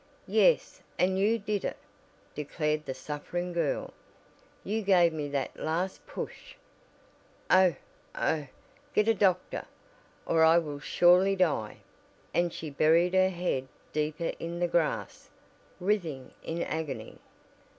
"Yes, and you did it!" declared the suffering girl. "You gave me that last push. Oh, oh. Get a doctor or I will surely die!" and she buried her head deeper in the grass, writhing in agony.